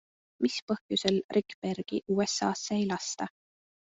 Mis põhjusel Rikbergi USAsse ei lasta?